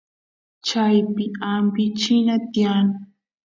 chaypi ampichina tiyan